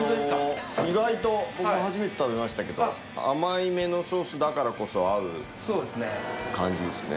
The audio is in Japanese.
意外と僕も初めて食べましたけど甘いめのソースだからこそ合う感じですね